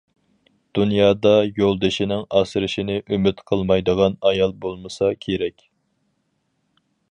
دۇنيادا يولدىشىنىڭ ئاسرىشىنى ئۈمىد قىلمايدىغان ئايال بولمىسا كېرەك.